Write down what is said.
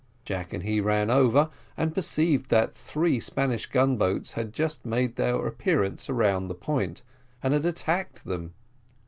Jack and he ran over, and perceived that three Spanish gun boats had just made their appearance round the point, and had attacked them.